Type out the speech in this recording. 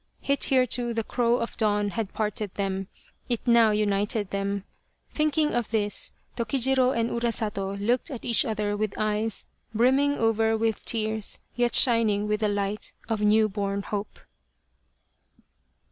Hitherto the crow of dawn had parted them it now united them. Thinking of this, Tokijiro and Urasato looked at each other with eyes brimming over with tears, yet shining with the light of new born hope.